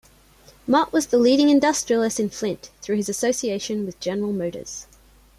Mott was the leading industrialist in Flint through his association with General Motors.